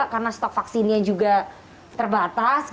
karena stok vaksinnya juga terbatas